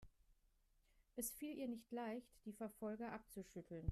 Es fiel ihr nicht leicht, die Verfolger abzuschütteln.